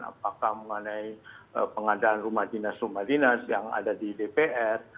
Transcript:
apakah mengenai pengadaan rumah dinas rumah dinas yang ada di dpr